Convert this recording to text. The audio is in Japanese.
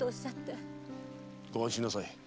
ご安心なさい。